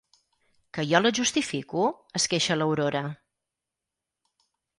Que jo la justifico? —es queixa l'Aurora.